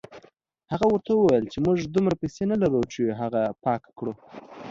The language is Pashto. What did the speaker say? هغه ورته وویل چې موږ دومره پیسې نه لرو چې هغه پاکه کړو.